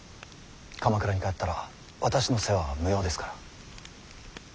鎌倉に帰ったら私の世話は無用ですから。